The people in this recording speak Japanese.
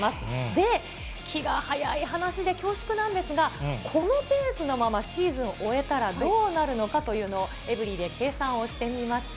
で、気が早い話で恐縮なんですが、このペースのままシーズンを終えたらどうなるのかというのを、エブリィで計算をしてみました。